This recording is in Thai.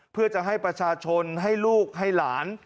เพื่อจะให้ประชาชนให้ลูกให้หลาน